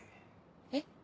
えっ？